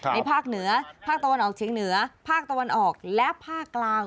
ภาคเหนือภาคตะวันออกเฉียงเหนือภาคตะวันออกและภาคกลาง